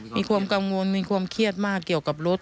มีความกังวลมีความเครียดมากเกี่ยวกับรถ